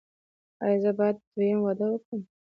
ایا زه باید دویم واده وکړم؟